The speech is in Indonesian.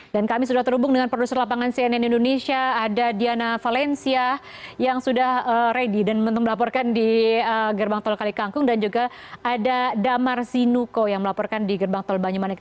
dan kami sudah terhubung dengan produser lapangan cnn indonesia ada diana valencia yang sudah ready dan melaporkan di gerbang tol kali kangkung dan juga ada damar sinuko yang melaporkan di gerbang tol banyumanek